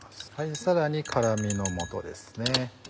さらに辛みのもとです。